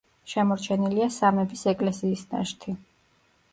შემორჩენილია სამების ეკლესიის ნაშთი.